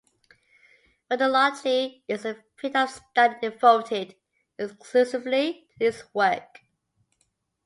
"Redology" is the field of study devoted exclusively to this work.